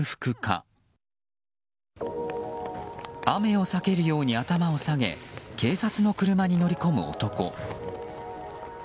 雨を避けるように頭を下げ警察の車に乗り込む男。